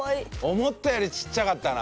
思ったよりちっちゃかったな。